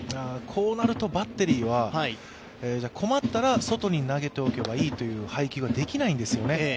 こうなるとバッテリーは、困ったら外に投げておけばいいという配球ができないんですよね。